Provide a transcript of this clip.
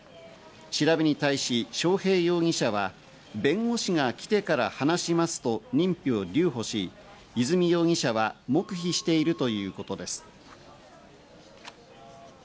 調べに対し章平容疑者は弁護士が来てから話しますと認否を留保し、和美容疑者は黙秘しているということです。